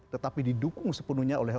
tetapi didukung sepenuhnya oleh